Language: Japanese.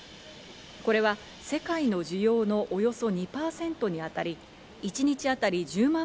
これは世界の需要のおよそ２％にあたり、一日当たり１０万